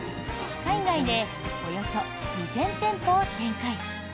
海外でおよそ２０００店舗を展開。